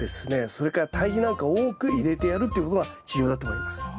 それから堆肥なんかを多く入れてやるっていうことが重要だと思います。